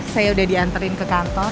saya udah diantrein keator